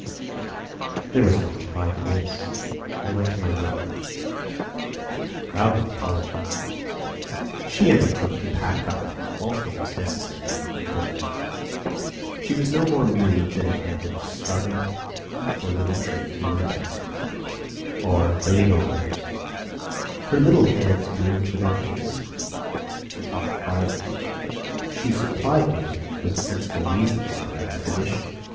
There was no reply to this. I went up to my room. Gräuben followed me. She undertook to pack up all things necessary for my voyage. She was no more moved than if I had been starting for a little trip to Lübeck or Heligoland. Her little hands moved without haste. She talked quietly. She supplied me with sensible reasons for our expedition.